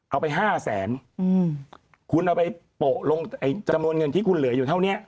เอาไปห้าแสนคุณเอาไปโปะลงไอ้จำนวนเงินที่คุณเหลืออยู่เท่านี้